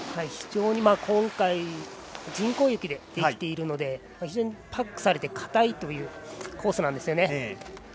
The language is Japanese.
非常に今回、人工雪でできているので非常にパックされてかたいというコースです。